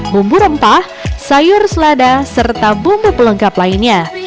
bumbu rempah sayur selada serta bumbu pelengkap lainnya